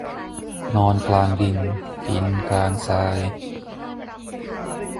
นอนกลางดินกินกลางทราย